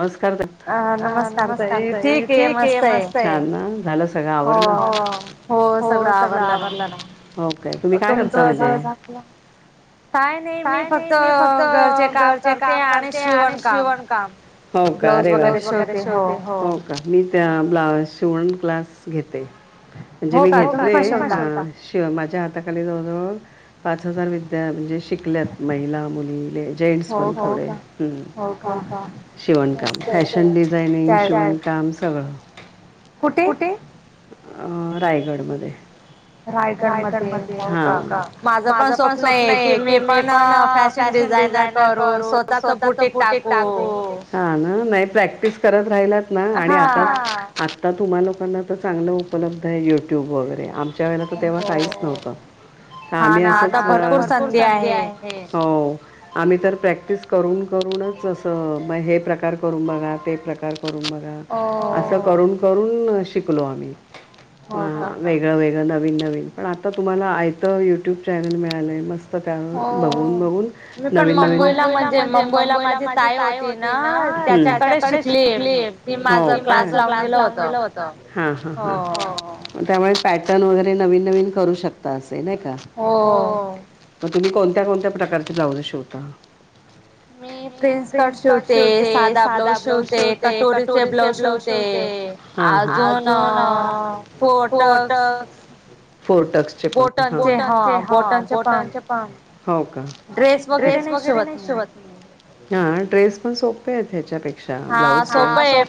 नमस्कार ताई नमस्कार ताई. ठीक आहे मस्त आहे झालं सगळं आवरलं. हो सगळं आवरलं ना [unintelligible] ना के तुम्ही काय करताज काय नाही मी फक्त घरचे काम करते आणि शिवण काम हो का अरे वा मी शिवण क्लास घेते क्लास घेते म्हणजे मी घेतले शि माझ्या हाताखाली जान [unintelligible] जवळ पाच हजार विद्या म्हणजे शिकल्यात महिला मुली जेंटस पण थोडे शिवणकाम फॅशन डिझायनिंग ड शिवणकाम सगळ कुठे अं रायगडमध्ये रायगड म माझं पण स्वप्न आहे की मी पण फॅश शन डिझायनर करू स्वतःच बुटी टाकू नाही प्रॅक्टिस करत राहिलात ना आणि आता तुम्हा लोकांना आता चांगलं उपलब्ध आहे युट्यूब वगैरे आमच्या वेळेला तर तेव्हा काहीच नव्हतं आम्ही अस भरपूर संधी आहे हो आम्ही तर प्रॅक्टिस करून करूनच असं मग हे प्रकार करून बघा ते प्रकार करून बघा असं करून करून शिकलो आम्ही हा वेगळं वेगळं नवीन नवीन पण आता तुम्हाला आयतं युट्यूब चॅनल मिळालंय मस्त स्वतः बघून बघून नवीन नवीन मुंबईला माझे ताय होते तिन त्याच्याकडे शिकली की माझ क्लास लावून गेलं होत ह त्या पॅटर्न वगैरे नवीन नवीन करू शकता असे नाही का मग तुम्ही कोणत्या कोणत्या प्रकारचे ब्लाऊज शिवता मी प्रिन्स कट शिवते ते सादा ब्लाऊज शिवते कटोरीचे ब्लाऊज शिवते अजून ह फोटक्स फोर्टेक्सचे पण बोटनचे प हो का ड्रेस वगैरे नाही शिवत हा ड्रेस पण सोपे आहे ह्याच्यापेक्षा अच्ा ब्लाज सो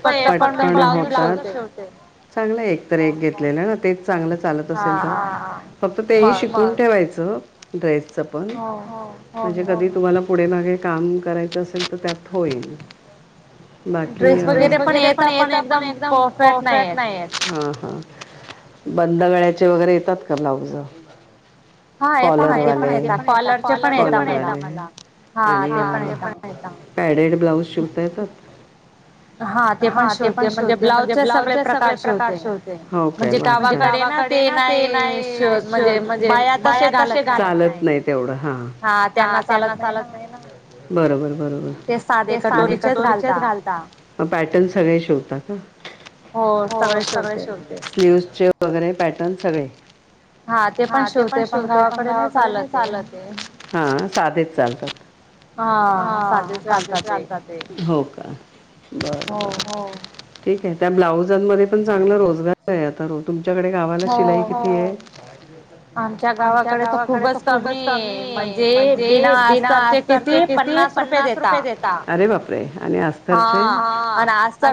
होता [unintelligible] चांगलं एक तर एक घेतले ना ना तेच चांगलं चालत असेल तर फक्त तेही शिकून ठेवायचं ड्रेसच पण म्हणजे कधी तुम्हाला पुढे मागे काम करायचं असेल तर त्यात होईल बाकी ड्रेस वगैरे पण येत पण एकदम परफेक्ट नाही येत ह बंद गळ्याचे वगैरे येतात का ब्लाउज कॉल पण य कॉलर पण येत मला आणि पॅडेड ब्लाउज शिवता येतात हा ते पण शिवते म्हणजे ब्लाउज सगळे प्रकार शिवते गावाकडे ना ते नाही शिवत म्हणजे बाया तसे घालत नाही चालत नाही तेवढं हा हा त्यांना चालत नाही ना बरोबर बरोबर ते साधे कटोरीचेच घालत म पॅटर्न सगळे शिवता का हो सगळे शिवते स्लीव्हजचे वगैरे पॅटर्न सगळे हा ते पण शिवते पण गावाकडे नाही चालत हा साधेच चालतात हा साधेच घालत ठीक त्या [unintelligible] ब्लाऊजयांनामधे पण चांगला रोजगार आहे आता तुमच्याकडे गावाला शिलाई किती आहे आमच्या गावाकडे तर खूपच कमी आहे म्हणजे बिना असतरचे ते पन्नास रुपये देतात अरे बापरे आणि ह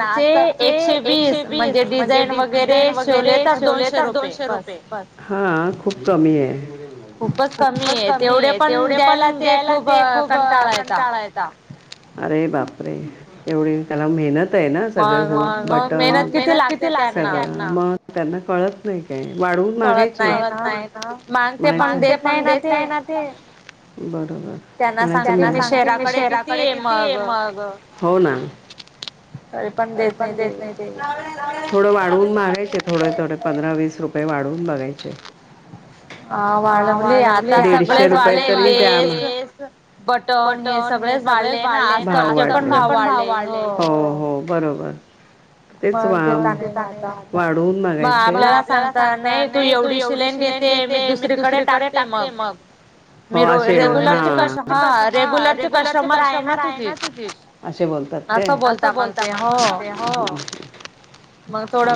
असतरचे एकशे वीस म्हणजे डिझाईन वगैरे शिवले तर दोनशे रुपये हा खूप कमी आहे खूपच कमी आहे तेवढे पण द्यायला ते खूप पण कां टाळायता अरे बापरे एवढी त्याला मेहनत बट [unintelligible] म क त्यांना कळत नाही का गायत नाही माण पण देत नाही ना ते त्यांना सांगते मी शेराकडे किती ये मग हो ना [inaudible] पण देत थोड वाढवून मगायचे थोड थोड पंधरा वीस रुपये वाढवून मागून बघायचे हा वाढवलंय आता सगळेच वाले लेस बटन हे सगळेच वाढले ना आस्तरचे पण भाव वाढले हो हो बरोबर ते वाढवूनगाय आपल्याला सांगता तू एवढी शिलाई घेते मी दुसरीकडे टाकते मग हो क रेग्युलर कस्टमर आहे ना तुझी असे बोलतात अस बोलताण ते हो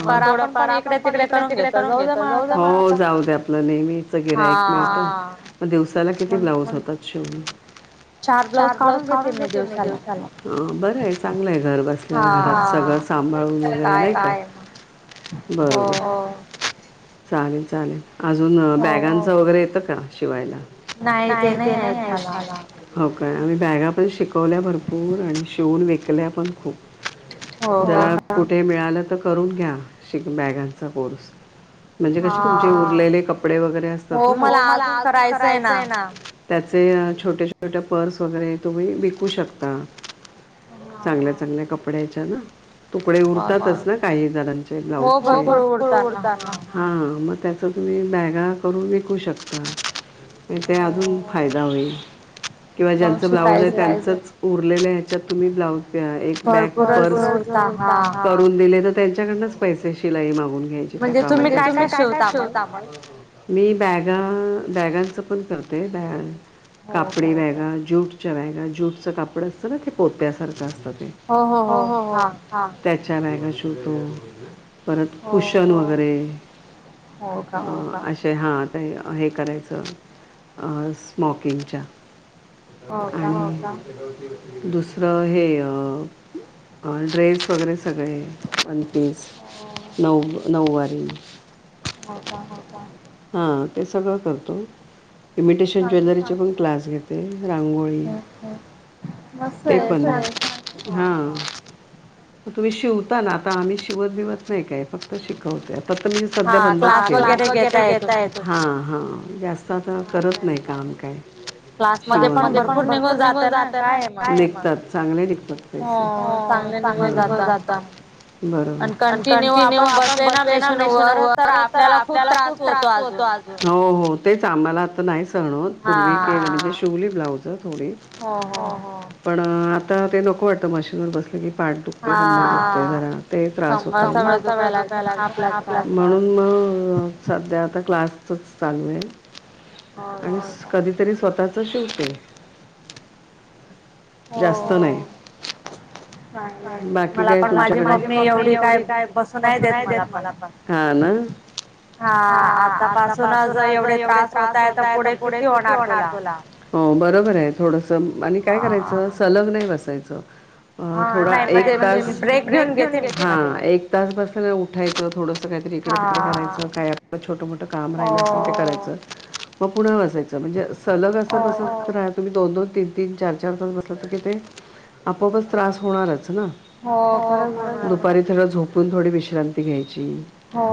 मग थोडंफार आपण पण इकड्या तिकडे करून घेत जाऊ द जाऊ द आपलं नेहमीच दिवसाला किती ब्लाउज होतात शिवून चार ब्लाऊज काढून घेत दि बरं आहे चांगलंय घर बसल्या घरात सगळं सांभाळून वगैरे नाही बरोबर चालेल चालेल अजून बॅगांचं वगैरे येतं का शिवायला नाही ते नाही आहेत मला हो काय आम्ही बॅगा पण शिकवल्या भरपूर आणि शिवून विकल्या पण खूप जरा कुठे मिळालं तर करून घ्या बॅगांचा कोर्स म्हणजे कसे तुमचे उरलेले कपडे वगैरे असतात ना हो मला अजून करायचं आहे ना त्याचे छोटे छोटे पर्स वगैरे तुम्ही विकू शकता चांगल्या चांगल्या कपड्याच्या ना तुकडे उरतातच ना काही जणांचे ब्लाउजतात हा मग त्यात तं तम्ही बॅगा करून विकू शकता ते अजून फायदा होईल किंवा ज्यांना त्यांचा उरलेल्या याच्यात बॅग पर्स शिवून दिल्या तरी चालेल त्यांच्याकडूनच पैसे शिलाई तुम्ही काय काय शिवता मी बॅगा बॅगांचं पण करतेय कापडी कापडी बॅगा ज्यूट् ज्योत च्या बॅग असताना पोत्यासारखं त्या बॅगा शिवतो परत कुशन वगैरे असे हात हे करायचं स्मोकिंगच्या आणि दुसरं हे अ ड्रेस वगैरे सगळे वनपीस नऊ नऊवारी हा ते सगळं करतो इमिटेशन ज्वेलरी चे पण क्लास घेते रांगोळी पण घेते मग तुम्ही शिवता ना आता आम्ही शिवत भिवत नाही काय फक्त शिकवतो मी सध्या बंद केले आता क्लास वगैरेेतय ह जास्त असं तर करत नाही काम काय श पण भरपूर निघून जात नातात चांगले निघतात च निघून जातात बरोबर प कंटिन्यू आपण बसले ना मेशीन व तर आपल्याला खूप त्रास होतो हो हो तेच आम्हाला आता नाही सहन होत पूर्वी मी म्हणजे शिवली ब्लाउज पुढे पण आता ते नको वाटत मशीनवर बसलं की पाठ दुखते कंबर दुखते हा जरा ते त्रास होतो कंबर त येवडी दुखायला लागते म्हणून म अ सध्या आता क्लासच चालूय आणि कधीतरी स्वतः त शिवते जास्त नाही. बाकी काय तुमच्याकडे माझी मम्मी एवढी काय बसून नाही देत मला पण हा ना हा आतापासूनच एवढे त्रास होताय तर पुढे किती होणार तुला हो बरोबर आहे थोडस आणि काय करायचं सलग नाही बसायचं. अ थोडा एक तास ब्रेक घेऊन उठायचं बसायचं हा एक तास बस उठायचं थोडस काही तरी इकडे तिकडे करायचं काय आप छोट मोठं काम राहिलं असेल ते करायचं मग पुन्हा बसायचं म्हणजे सलग असं बसं तर तुम्ही दोन दोन तीन तीन चार चार तास बसला तर तिथे आपोपच त्रास होणारच हा ना हो खरं दुपरी सगळं झोप तून थोडी विश्रांती घ्यायची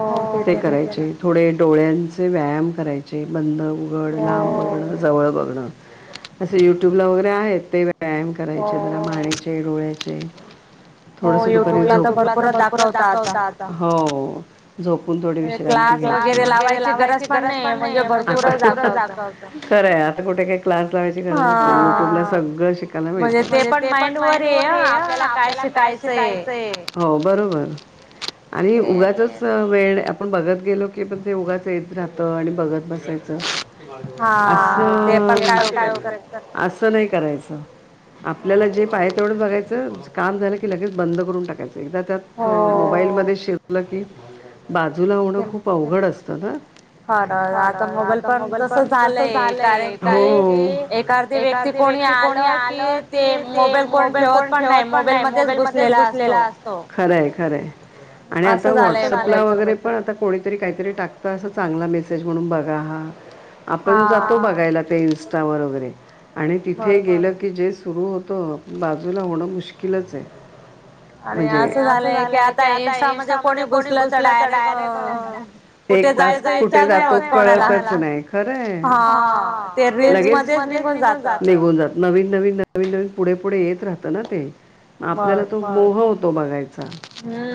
हो ते करायचे थोडे डोळ्यां चे व्यायाम करायचे बंद उघड लांबगड जवळ बग असे युट्यूब ला वगैरे आहेत ते व्यायाम करायचे जरा मानेचे डोळ्याचे थोडस दुपरी झोप हो युट्यूबला तर भरपूरच दाखवता आता हो झोपुन थोडी विश्रांती घ्यायची क्लास वगैरे लावायची गरज पण नाहीये म्हणजे भरपूरच दाखवत खरंय आता कुठं तस काय क्लास लावायची गरज असते यु ट्यूबला सगळं शिकायला मिळत म्हणजे ते पणं माईंडवरे आप त्याला काय शिदायचंय हो बरोबर आणि उगाचच वेळ आपण बघत गेलो की पण ते उगाचं येत राहत आणि बघत बसायचं. अस असं नाही करायचं आपल्याला जे पाय तेवढं बघायचं, काम झालं की लगेच बंद करून टाकायचं. एकदा त्यात मोबाईलमध्ये शिरलं की बाजूला होणं खूप अवघड असतं ना हा ना आता मोबाईल पण तस झालंय कारण कि एका अर्थी व्यक्ती कोणी आल की ते मोबाईल कोण ठेवत पण नाही मोबाईल मध्येच घुसलेला असतो खरय खरय आणि आता व्हॉट्सअपला वगैरे पण आता कोणी तरी काहीतरी टाकत अस चांगला मेसेज म्हणून बघा हा आपण जातो बघायला ते इनस्ट चा बरोबरे आणि तिथे गेलं की जे सुरू होतो बाजूला होणं मुश्किलचे म्हणजे आणि असं झालंय की आता इन्स्टामध्ये कोणी घुसलं तर डायरेक्ट एक तास कुठे जातो कळतच नाही खरंय हा ते लगेच मध्येच निघून जात निघून जात नवीन नवीन नवीन नवीन पुढे पुढे येत राहत ना ते आपल्याला तो मोह होतो बघायचा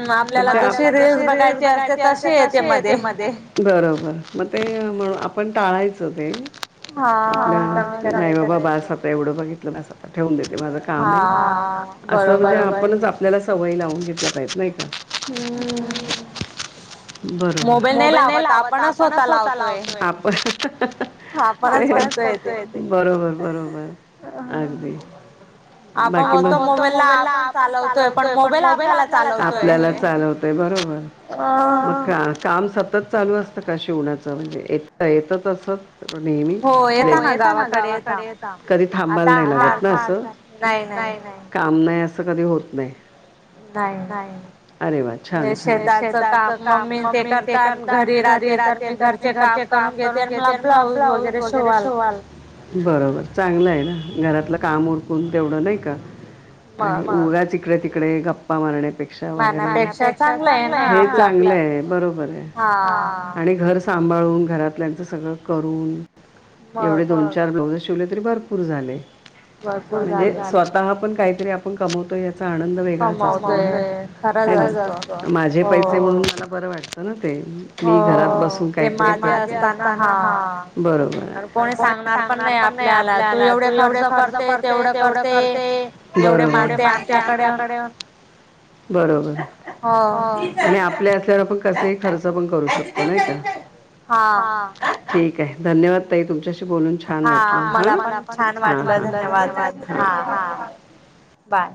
हम्म पण ते आपल्याला जशे रील्स बघायचे असते तशे येते मध्ये बरोबर म ते म्हणू आपण टाळायचं ते हा. हा आपल्या नाही बाबा बास आता एवढ बघितलं बास आता ठेवून देते माझं काम आहे हा असं म्हणजे आपणच आपल्याला सवयी लावून घेतो. हम्म. बरोबर मोबाईल नाही लावत आपणच स्वतः लावतोय आपण हा ते आपणच करतोय बरोबर बरोबर अगदी बाकी मग आपण होतो मोबाईलला आपण चालवतोय पण मोबाईल आपल्यालाला चालतोय आपल्याला चालवतोय. बरोबर अ का काम सतत चालू असत का शिवणाच म्हणजे येत येत तस का नेहमी हो येता ना गावाकडे कधी थांबायला नाही लागत ना असं नाही नाही काम नाही असं कधी होत नाही. नाही अरे वा छान छान ते शेजारच काम मम्मीन ते करता घरी रा ते तर मी घरचे काम करून घेते मला ब्लाऊज वगैरे शिवाल बरोबर चांगलय ना घरातल काम उरकून तेवढं नाही का आणि उगाच इिकडे तिकडे गप्पा मारण्यात पेक्षा वैगेरे हे चागलं ये बरोबर ये आणि घर सांभाळून सांभाळून घरात आपल्याचं सगळं करून एवढे दोन चार ब्लाऊज शिवले तरी भरपूर झाले. म्हणजे स्वतः पण काहीतरी आपण कमवतो यात आनंद वेगळा माझे पैसे म्हणून मला बर वाटतं ना मी घरात बसून काही करते हो माजे असताना हा बरोबर कोणी सांगणार पण नाही आपल्याला तू एवढे खर्च करते तेवढ करते एवढे मडते आमच्याकडे बरोबर आणि आपल्या असल्यावर पण कस खर्च ण करू शकतो नाही का धन्यवाद तई तुमच्या बोलून छान वाटल हा मला पण छान वाटल धन्यवाद हा बाय